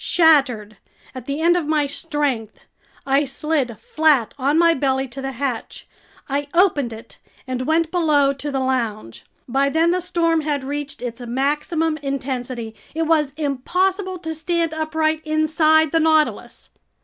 Shattered, at the end of my strength, I slid flat on my belly to the hatch. I opened it and went below to the lounge. By then the storm had reached its maximum intensity. It was impossible to stand upright inside the Nautilus.